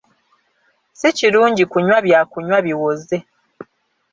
Si kirungi kunywa byakunywa biwoze.